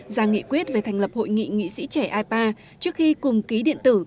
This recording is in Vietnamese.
ra nghị quyết về thành lập hội nghị nghị sĩ trẻ ipa trước khi cùng ký điện tử